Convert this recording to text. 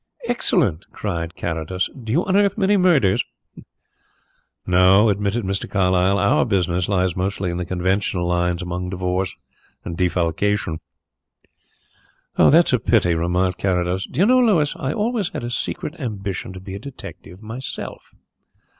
"Excellent!" cried Carrados. "Do you unearth many murders?" "No," admitted Mr. Carlyle; "our business lies mostly on the conventional lines among divorce and defalcation." "That's a pity," remarked Carrados. "Do you know, Louis, I always had a secret ambition to be a detective myself.